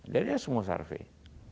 darinya semua survei